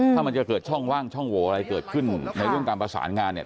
ถ้ามันจะเกิดช่องว่างช่องโหวอะไรเกิดขึ้นในเรื่องการประสานงานเนี่ย